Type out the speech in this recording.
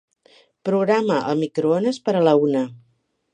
Programa el microones per a la una.